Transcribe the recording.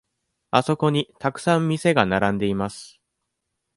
あそこにたくさん店が並んでいます。